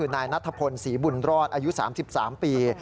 นายนัทพลศรีบุญรอดอายุ๓๓ปี